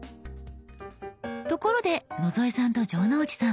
ところで野添さんと城之内さん